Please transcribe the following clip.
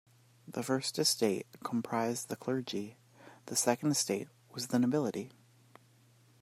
The First Estate comprised the clergy; the Second Estate was the nobility.